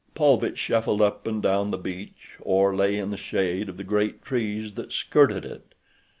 Paulvitch shuffled up and down the beach, or lay in the shade of the great trees that skirted it.